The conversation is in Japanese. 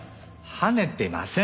はねてません！